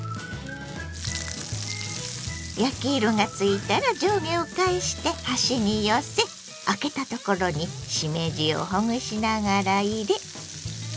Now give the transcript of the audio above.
焼き色がついたら上下を返して端に寄せあけたところにしめじをほぐしながら入れ。